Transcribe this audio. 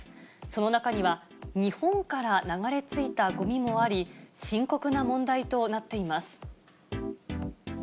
その中には、日本から流れ着いたごみもあり、深刻な問題となっています。